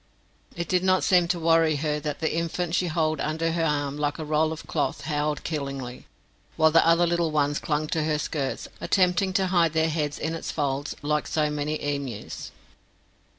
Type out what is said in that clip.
It did not seem to worry her that the infant she hold under her arm like a roll of cloth howled killingly, while the other little ones clung to her skirts, attempting to hide their heads in its folds like so many emus.